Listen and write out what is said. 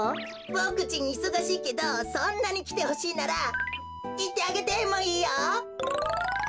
ぼくちんいそがしいけどそんなにきてほしいならいってあげてもいいよ！